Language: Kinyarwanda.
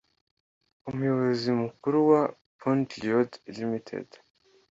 umuyobozi mu kuru wa Punj Lloyd Ltd